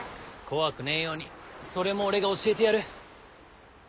怖くねえようにそれも俺が教えてやる。